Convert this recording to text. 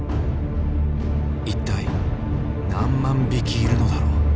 一体何万匹いるのだろう。